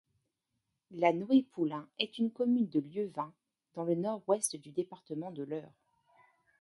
La Noë-Poulain est une commune du Lieuvin, dans le Nord-Ouest du département de l'Eure.